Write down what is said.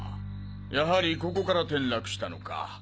やはりここから転落したのか。